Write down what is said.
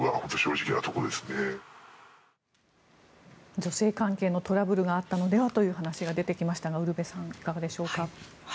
女性関係のトラブルがあったのではという話が出てきましたがウルヴェさんいかがでしょうか。